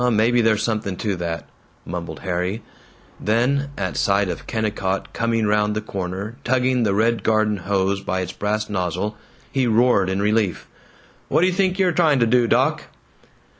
"Maybe there's something to that," mumbled Harry; then, at sight of Kennicott coming round the corner tugging the red garden hose by its brass nozzle, he roared in relief, "What d' you think you're trying to do, doc?"